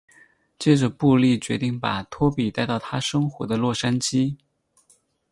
接着布莉决定把拖比带到他生活的洛杉矶。